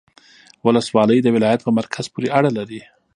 ولسوالۍ د ولایت په مرکز پوري اړه لري